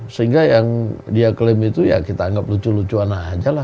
sehingga yang dia klaim itu ya kita anggap lucu lucuan aja lah